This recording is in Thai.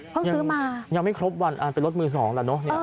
เขาซื้อมายังไม่ครบวันเป็นรถมือสองแล้วเนอะ